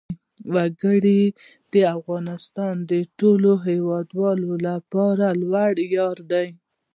وګړي د افغانستان د ټولو هیوادوالو لپاره یو لوی ویاړ دی.